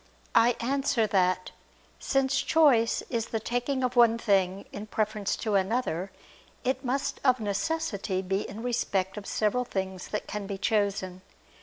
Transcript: I answer that, Since choice is the taking of one thing in preference to another it must of necessity be in respect of several things that can be chosen.